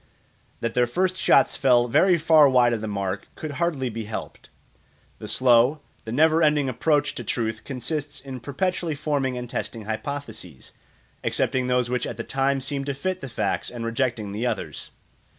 That their first shots fell very far wide of the mark could hardly be helped. The slow, the never ending approach to truth consists in perpetually forming and testing hypotheses, accepting those which at the time seem to fit the facts and rejecting the others.